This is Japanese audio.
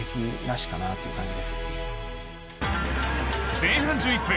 前半１１分。